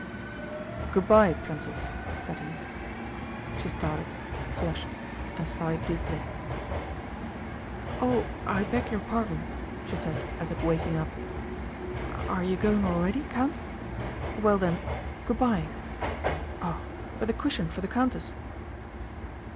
"Good by, Princess!" said he. She started, flushed, and sighed deeply. "Oh, I beg your pardon," she said as if waking up. "Are you going already, Count? Well then, good by! Oh, but the cushion for the countess!"